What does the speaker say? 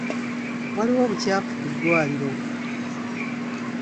Waliwo obukyafu ku ddwaliro.